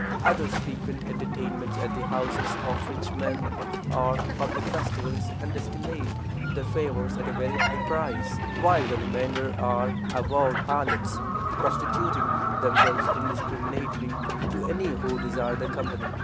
Others frequent entertainments at the houses of rich men, or public festivals, and estimate their favors at a very high price, while the remainder are avowed harlots, prostituting themselves indiscriminately to any who desire their company.